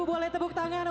engkau luar biasa